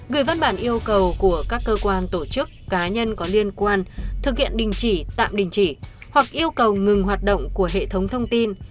gửi văn bản yêu cầu của các cơ quan tổ chức cá nhân có liên quan thực hiện đình chỉ tạm đình chỉ hoặc yêu cầu ngừng hoạt động của hệ thống thông tin